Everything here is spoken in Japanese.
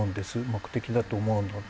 目的だと思うので。